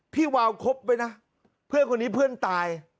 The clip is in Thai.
วาวคบไว้นะเพื่อนคนนี้เพื่อนตาย